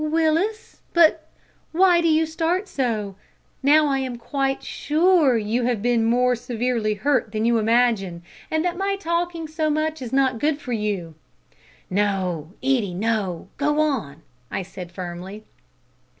"Willis but why do you start so? Now I am quite sure you have been more severely hurt than you imagine, and that my talking so much is not good for you." "No Edie no. Go on," I said firmly.